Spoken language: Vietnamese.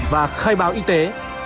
và khai báo y tế